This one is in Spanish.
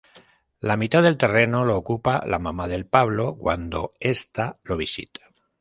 La mitad del terreno lo ocupa la mama del Pablo cuando esta lo visita.